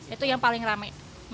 itu yang paling rame